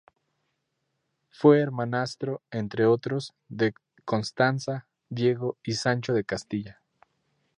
Fue hermanastro, entre otros, de Constanza, Diego y Sancho de Castilla.